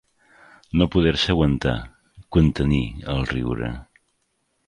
No poder-se aguantar, contenir, el riure.